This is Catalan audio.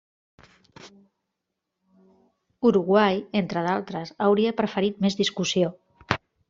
Uruguai, entre d'altres, hauria preferit més discussió.